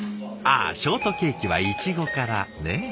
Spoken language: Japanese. あショートケーキはイチゴからね。